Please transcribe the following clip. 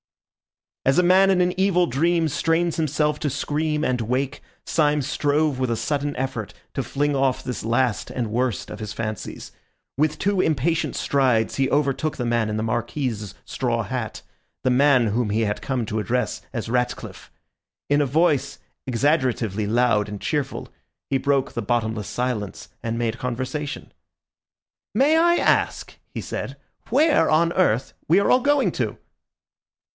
As a man in an evil dream strains himself to scream and wake, Syme strove with a sudden effort to fling off this last and worst of his fancies. With two impatient strides he overtook the man in the Marquis's straw hat, the man whom he had come to address as Ratcliffe. In a voice exaggeratively loud and cheerful, he broke the bottomless silence and made conversation. "May I ask," he said, "where on earth we are all going to?"